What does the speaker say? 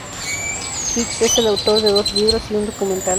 Hicks es el autor de dos libros y un documental.